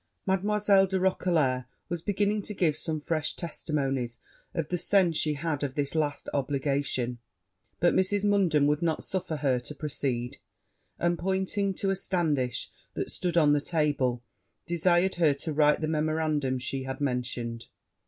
Mademoiselle de Roquelair was beginning to give some fresh testimonies of the sense she had of this last obligation; but Mrs. Munden would not suffer her to proceed; and, pointing to a standish that stood on the table, desired her to write the memorandums she had mentioned.